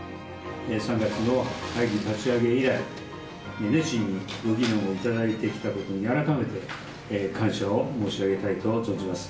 ３月の会議の立ち上げ以来、熱心にご議論をいただいてきたことに、改めて感謝を申し上げたいと存じます。